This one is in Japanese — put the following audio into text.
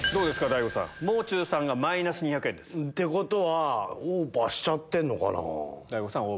大悟さん「もう中」さんがマイナス２００円。ってことはオーバーしちゃってんのかな。